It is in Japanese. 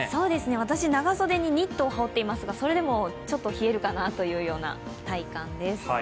私、長袖にニットを羽織っていますが、それでも冷えるかなという体感です。